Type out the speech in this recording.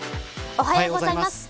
おはようございます。